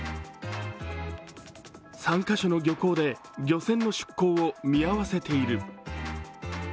３カ所の漁港で漁船の出港を見合わせている。